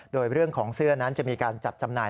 โดยเรื่องของเสื้อนั้นจะมีการจัดจำหน่าย